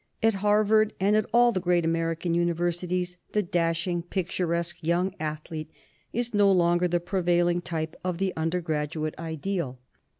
At Harvard, and at all the great American universities, the dashing, picturesque young ath lete is no longer the prevailing type of the under graduate ideal.